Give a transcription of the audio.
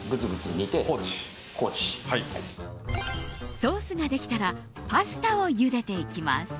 ソースができたらパスタをゆでていきます。